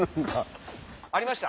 ありました？